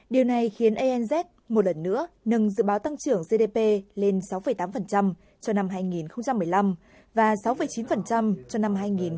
điều này khiến anz một lần nữa nâng dự báo tăng trưởng gdp lên sáu tám cho năm hai nghìn một mươi năm và sáu chín cho năm hai nghìn hai mươi